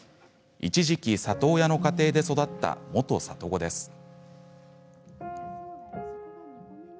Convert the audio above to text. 一時期、里親の家庭で育った元里子です。